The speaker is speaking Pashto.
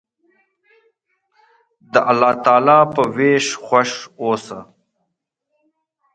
د الله تعالی په ویش خوښ اوسه.